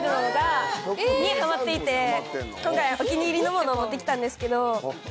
今回お気に入りのものを持ってきたんですけど。